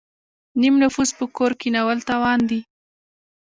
نیم نفوس په کور کینول تاوان دی.